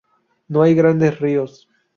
No hay grandes ríos.